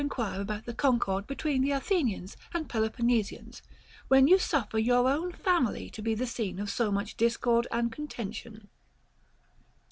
147 to enquire about the concord betwixt the Athenians and Peloponnesians, when you suffer your own family to be the scene of so much discord and contention.